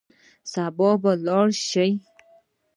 سبا به ولاړ سئ.